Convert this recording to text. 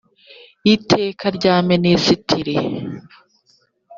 iteka rya minisitiri